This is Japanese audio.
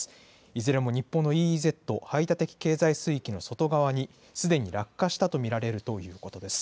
いずれも日本のＥＥＺ・排他的経済水域の外側にすでに落下したと見られるということです。